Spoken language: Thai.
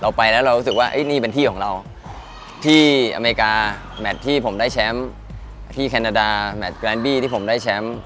ไปแล้วเรารู้สึกว่านี่เป็นที่ของเราที่อเมริกาแมทที่ผมได้แชมป์ที่แคนาดาแมทแรนบี้ที่ผมได้แชมป์